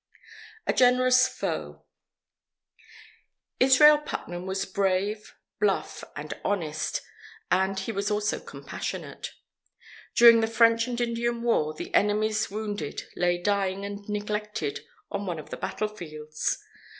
A GENEROUS FOE Israel Putnam was brave, bluff, and honest, and he was also compassionate. During the French and Indian War, the enemy's wounded lay dying and neglected on one of the battle fields.